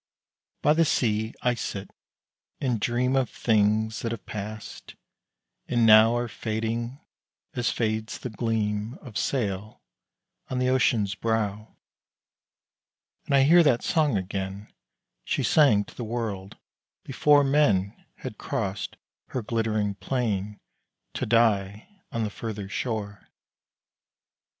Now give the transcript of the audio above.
By the sea I sit and dream Of things that have passed, and now Are fading as fades the gleam Of sail on the ocean's brow, And I hear that song again She sang to the world before Men had crossed her glit'ring plain To die on the further shore.